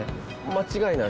間違いない。